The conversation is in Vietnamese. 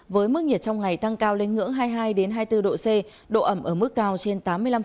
với mức nhiệt trong ngày tăng cao lên ngưỡng hai mươi hai hai mươi bốn độ c độ ẩm ở mức cao trên tám mươi năm